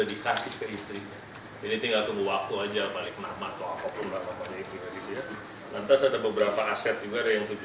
hibah tak pakai akta